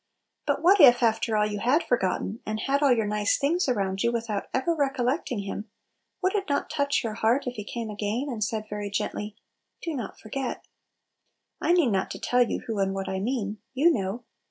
But what if, after all, you had forgotten, and had all your nice things around you without ever recollecting him, would it not touch your heart if he came again and said very gently, "Do not forget"? I need not tell you Who and what I mean. You know!